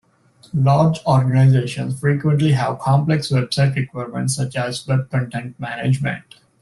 Large organizations frequently have complex web site requirements such as web content management.